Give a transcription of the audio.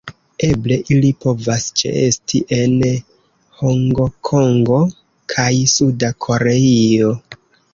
Eble ili povas ĉeesti en Hongkongo kaj Suda Koreio.